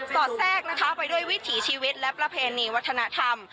อดแทรกนะคะไปด้วยวิถีชีวิตและประเพณีวัฒนธรรม